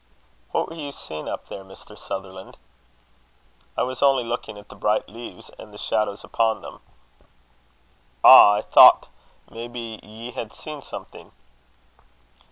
"What were you seeing up there, Mr. Sutherland?" "I was only looking at the bright leaves, and the shadows upon them." "Ah! I thocht maybe ye had seen something."